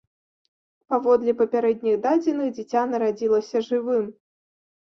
Паводле папярэдніх дадзеных, дзіця нарадзілася жывым.